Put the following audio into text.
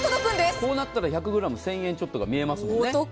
こうなったら１００ｇ１０００円ちょっとが見えますもんね。